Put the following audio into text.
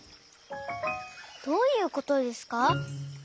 どういうことですか？